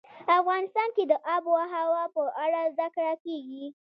افغانستان کې د آب وهوا په اړه زده کړه کېږي.